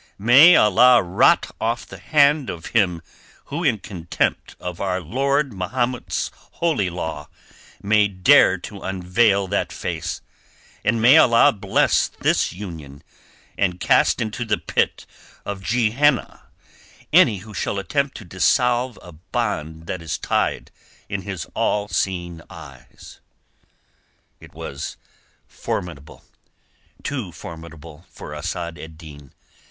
"May Allah rot off the hand of him who in contempt of our Lord Mahomet's holy law may dare to unveil that face, and may Allah bless this union and cast into the pit of Gehenna any who shall attempt to dissolve a bond that is tied in His All seeing eyes." It was formidable. Too formidable for Asad ed Din.